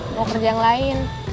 mau kerja yang lain